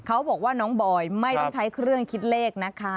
เขาบอกว่าน้องบอยไม่ต้องใช้เครื่องคิดเลขนะคะ